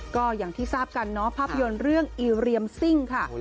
ก็อย่างที่ทราบกันเนาะภาพยนตร์เรื่องอีเรียมซิ่งค่ะ